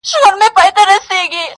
نه چي اختر نمانځلی نه چي پسرلی نمانځلی,